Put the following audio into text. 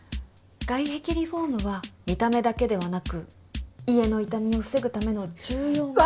外壁リフォームは見た目だけではなく家の傷みを防ぐための重要な。